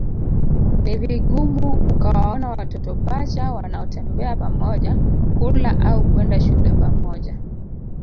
Ni vigumu ukawaona watoto pacha wanaotembea pamoja kula au kwenda shule pamoja